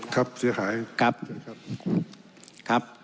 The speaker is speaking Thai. ครับเสียหาย